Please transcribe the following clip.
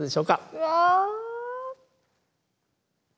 うわ。